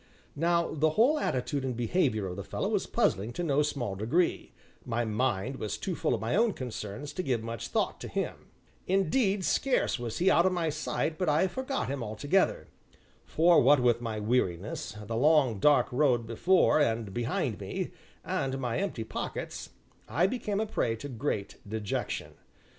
Now, though the whole attitude and behavior of the fellow was puzzling to no small degree, my mind was too full of my own concerns to give much thought to him indeed, scarce was he out of my sight but I forgot him altogether; for, what with my weariness, the long, dark road before and behind me, and my empty pockets, I became a prey to great dejection.